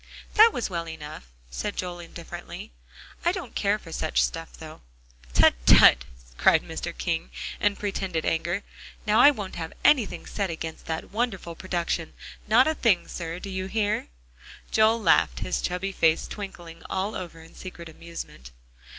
"That was well enough," said Joel indifferently, "I don't care for such stuff, though." "Tut tut!" cried Mr. King in pretended anger, "now I won't have anything said against that wonderful production. Not a thing, sir, do you hear?" Joel laughed, his chubby face twinkling all over in secret amusement.